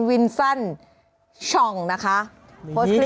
เดี๋ยวไบร์ทรายงานค่ะโอ้ใช่